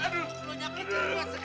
mi jangan mi aduh